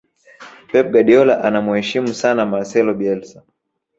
pep guardiola anamuheshimu sana marcelo bielsa